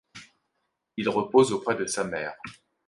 Il repose auprès de sa mère.